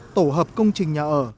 tổ hợp công trình nhà ở